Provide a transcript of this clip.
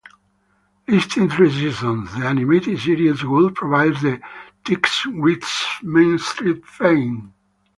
Lasting three seasons, the animated series would provide The Tick's greatest mainstream fame.